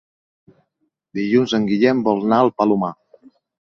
Dilluns en Guillem vol anar al Palomar.